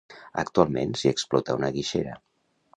Actualment s'hi explota una guixera.